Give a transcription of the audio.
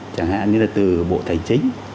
chẳng hạn như là từ bộ tài chính